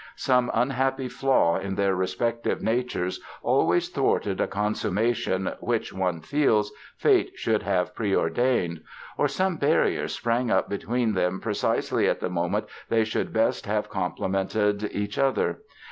Some unhappy flaw in their respective natures always thwarted a consummation which, one feels, fate should have preordained. Or some barrier sprang up between them precisely at the moment they should best have complemented each other.